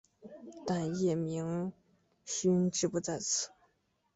但叶明勋志不在此。